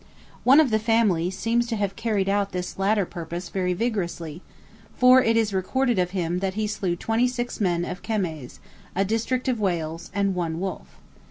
One of the family seems to have carried out this latter purpose very vigorously; for it is recorded of him that he slew twenty six men of Kemaes, a district of Wales, and one wolf.